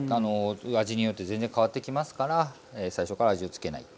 味によって全然変わってきますから最初から味をつけない。